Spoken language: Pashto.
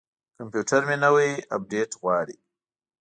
کمپیوټر مې نوی اپډیټ غواړي.